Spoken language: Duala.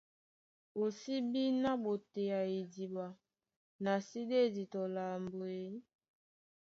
O sí bí ná ɓotea idiɓa, na sí ɗédi tɔ lambo e?